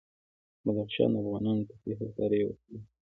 بدخشان د افغانانو د تفریح یوه وسیله ده.